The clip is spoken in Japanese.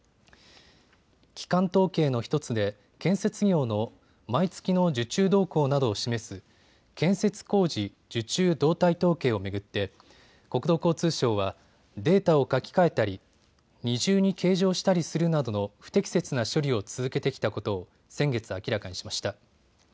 基幹統計の１つで建設業の毎月の受注動向などを示す建設工事受注動態統計を巡って国土交通省はデータを書き換えたり二重に計上したりするなどの不適切な処理を続けてきたことを先月、明らかにしました。